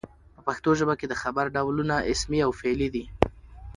په پښتو ژبه کښي د خبر ډولونه اسمي او فعلي دي.